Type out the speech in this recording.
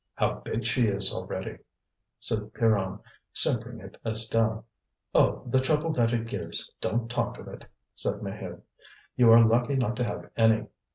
"How big she is already!" said Pierronne, simpering at Estelle. "Oh! the trouble that it gives! Don't talk of it!" said Maheude. "You are lucky not to have any.